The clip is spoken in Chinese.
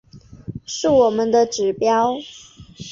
是我们的指标